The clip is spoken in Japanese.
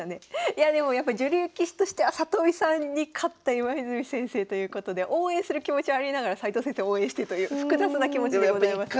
いやでもやっぱ女流棋士としては里見さんに勝った今泉先生ということで応援する気持ちはありながら斎藤先生を応援してという複雑な気持ちでございます。